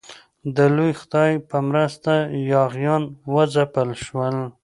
د لوی خدای په مرسته یاغیان وځپل شول.